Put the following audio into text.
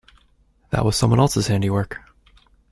That was someone else's handy work.